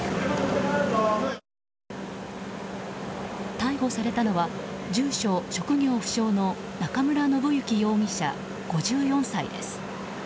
逮捕されたのは住所・職業不詳の中村信之容疑者、５４歳です。